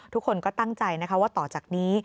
ทุกคนก็ตั้งใจนะคะว่าต่อจากนี้